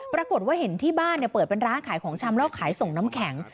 ปรากฏว่าเห็นที่บ้านเปิดเป็นร้านขายของชำแล้วขายส่งน้ำแข็ง